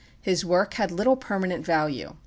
His work had little permanent value.